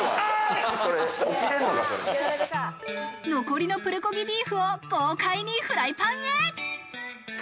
残りのプルコギビーフを豪快にフライパンへ。